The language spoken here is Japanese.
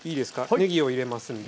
ねぎを入れますんで。